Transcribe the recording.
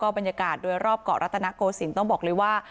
บรรยากาศโดยรอบเกาะรัตนโกศิลป์ต้องบอกเลยว่า